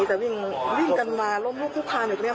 ค่ะวิ่งอยู่นี่แต่วิ่งกันมาล้มลูกคู่พานอยู่ตรงนี้